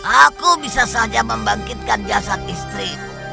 aku bisa saja membangkitkan jasad istri